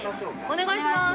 ◆お願いしまーす。